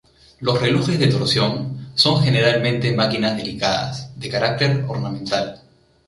Los relojes de torsión son generalmente máquinas delicadas, de carácter ornamental.